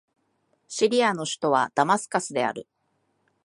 シリアの首都はダマスカスである